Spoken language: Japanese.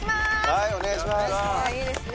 はいお願いします